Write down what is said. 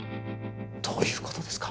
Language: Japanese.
どういうことですか？